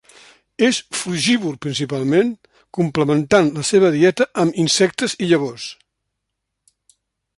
És frugívor principalment, complementant la seva dieta amb insectes i llavors.